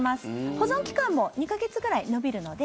保存期間も２か月ぐらい延びるので。